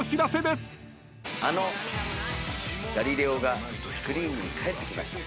あの『ガリレオ』がスクリーンに帰ってきました。